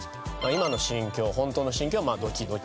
今の心境ホントの心境は「ドキドキ」。